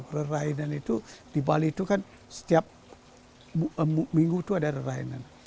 rerainan itu di bali itu kan setiap minggu itu ada rerainan